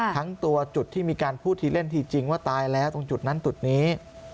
ทั้งตัวจุดที่มีการพูดทีเล่นทีจริงว่าตายแล้วตรงจุดนั้นจุดนี้